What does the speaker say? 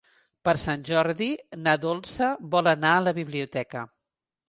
Per Sant Jordi na Dolça vol anar a la biblioteca.